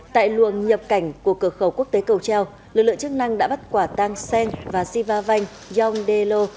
tại luồng nhập cảnh của cửa khẩu quốc tế cầu treo lực lượng chức năng đã bắt quả tang sen và siva vanh yong de lo